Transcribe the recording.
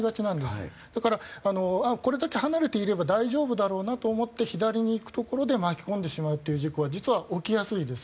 だからこれだけ離れていれば大丈夫だろうなと思って左に行くところで巻き込んでしまうっていう事故は実は起きやすいです。